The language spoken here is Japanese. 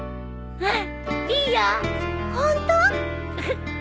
うん！